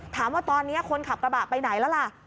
ถามว่าตอนนี้คนขับกระบะไปไหนแล้วล่ะ